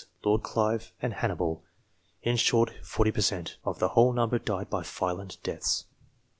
Lord Clive and Hannibal. In short, 40 per cent, of the whole number died by violent deaths.)